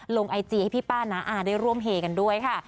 ลองไอจีให้พี่ป้านะได้ร่วมเหกันด้วยค่ะ